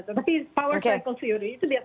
tapi power cycle theory itu biasanya ada